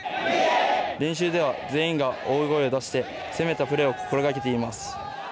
練習では、全員が大声を出して攻めたプレーを心がけています。